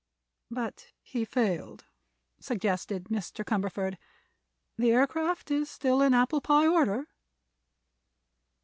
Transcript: "But he failed," suggested Mr. Cumberford. "The aircraft is still in apple pie order."